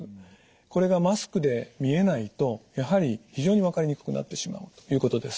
これがマスクで見えないとやはり非常に分かりにくくなってしまうということです。